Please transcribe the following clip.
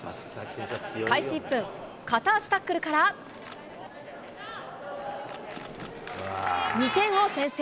開始１分、片足タックルから、２点を先制。